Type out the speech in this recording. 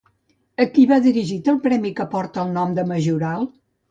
A qui va dirigit el premi que porta el nom de Majoral?